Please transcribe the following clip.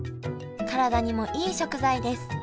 体にもいい食材です。